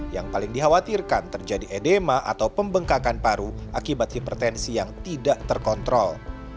yang paling dikhawatirkan terjadi edema atau pembengkakan paru akibat hipertensi yang tidak terkontrol